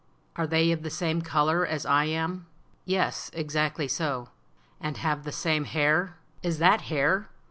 "Are they of the same color as I am?" "Yes; exactly so," "And have the same hair?" "Is that hair?